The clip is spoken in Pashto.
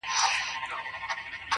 • آثر د خپل یوه نظر وګوره ,